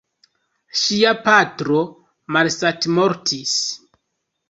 Ŝia patro malsatmortis.